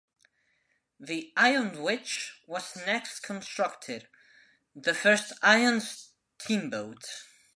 The Iron Witch was next constructed, the first iron steamboat.